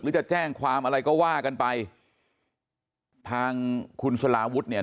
จะแจ้งความอะไรก็ว่ากันไปทางคุณสลาวุฒิเนี่ย